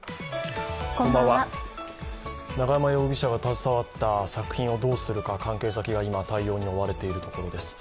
永山容疑者が携わった作品をどうするか、関係先が今、対応に追われているところです。